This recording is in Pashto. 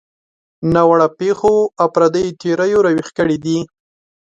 ناوړه پېښو او پردیو تیریو راویښ کړي دي.